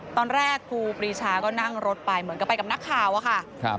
ตอนแรกครูปรีชาก็นั่งรถไปเหมือนกับไปกับนักข่าวอะค่ะ